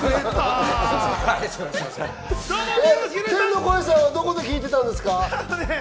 天の声さんはどこで聴いてたんですか？